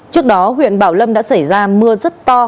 trước đó huyện bảo lâm đã xảy ra mưa rất to